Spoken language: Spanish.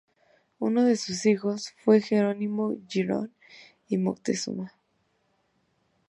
Uno de sus hijos fue Jerónimo Girón y Moctezuma.